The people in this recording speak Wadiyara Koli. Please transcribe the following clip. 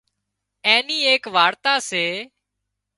اين نِِي ايڪ وارتا سي